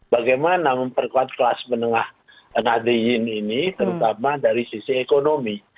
bagaimana memperkuat kelas menengah nahdiyin ini terutama dari sisi ekonomi